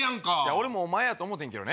俺もお前やと思うてんけどね